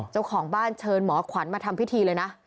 เจ้าของบ้านเชิญหมอขวัญมาทำพิธีเลยนะ